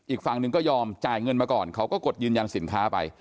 อีกฝั่งหนึ่งก็ยอมจ่ายเงินมาก่อนเขาก็กดยืนยันสินค้าไป